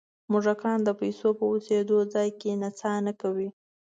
موږکان د پیسو په اوسېدلو ځای کې نڅا نه کوي.